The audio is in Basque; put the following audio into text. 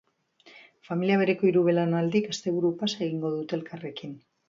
Familia bereko hiru belaunaldik asteburu-pasa egingo dute elkarrekin.